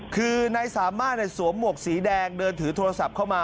คือนายสามารถสวมหมวกสีแดงเดินถือโทรศัพท์เข้ามา